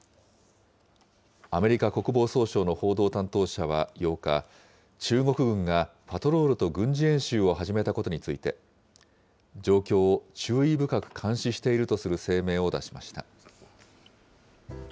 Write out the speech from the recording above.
アメリカ国防総省の報道担当者は８日、中国軍がパトロールと軍事演習を始めたことについて、状況を注意深く監視しているとする声明を出しました。